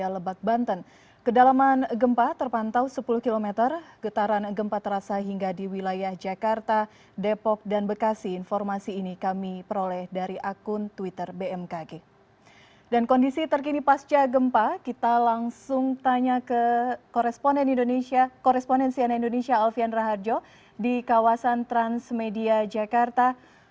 langsung tanya ke koresponen cnn indonesia alfian rahadjo di kawasan transmedia jakarta